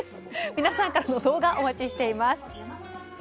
皆さんからの動画お待ちしています。